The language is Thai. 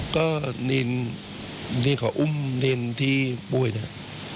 ก็เนี่ยขออุ้มเนรที่ป่วยนะฮะ